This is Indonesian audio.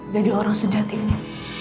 jadi orang sejatinya